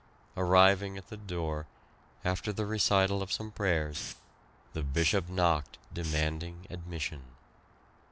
Arriving at the door, after the recital of some prayers, the Bishop knocked, demanding admission.